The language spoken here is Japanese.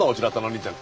凜ちゃん